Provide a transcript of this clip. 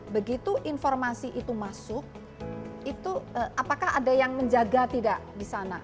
begitu informasi itu masuk apakah ada yang menjaga tidak di sana